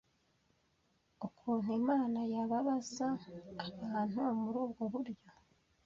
ukuntu Imana yababaza abantu muri ubwo buryo